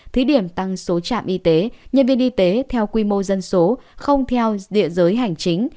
thí điểm tăng số trạm y tế nhân viên y tế theo quy mô dân số không theo địa giới hành chính